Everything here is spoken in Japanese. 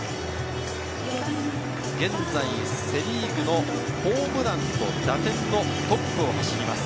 現在セ・リーグのホームランと打点のトップを走ります。